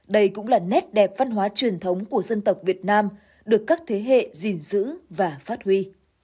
đây cũng là nét đẹp văn hóa truyền thống của dân tộc việt nam được các thế hệ gìn giữ và phát huy